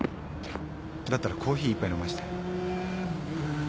だったらコーヒー１杯飲ませて。